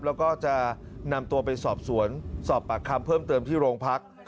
แล้วก็จะนำตัวไปสอบสวนสอบปากคำเพิ่มเติมที่โรงพัก